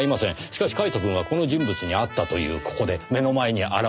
しかしカイトくんはこの人物に会ったというここで目の前に現れたと。